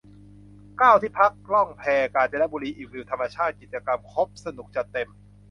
เก้า ที่พักล่องแพกาญจนบุรี อิ่มวิวธรรมชาติ กิจกรรมครบสนุกจัดเต็ม